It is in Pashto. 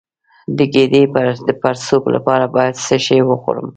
د ګیډې د پړسوب لپاره باید څه شی وخورم؟